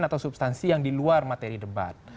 atau substansi yang diluar materi debat